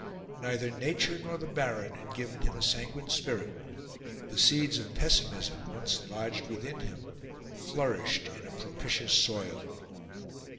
Neither nature nor the Baron had given him a sanguine spirit; the seeds of pessimism, once lodged within him, flourished in a propitious soil.